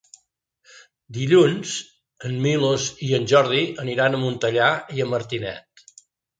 Dilluns en Milos i en Jordi aniran a Montellà i Martinet.